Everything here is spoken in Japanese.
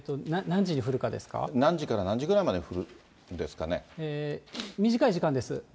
何時から何時ぐらいまで降る短い時間です。